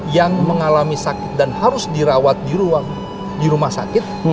yang mengalami sakit dan harus dirawat di rumah sakit